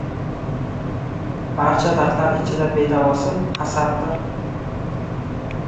• Barcha dardlar ichida bedavosi hasaddir.